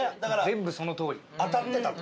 全部そのとおり。